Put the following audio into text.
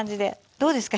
どうですか？